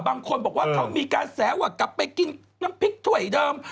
บางคนบอกว่าเขามีการแสว่ากลับไปกินน้ำพริกถ้วยเดิม